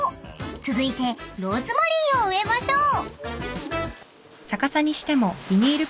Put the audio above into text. ［続いてローズマリーを植えましょう］